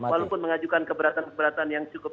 walaupun mengajukan keberatan keberatan yang cukup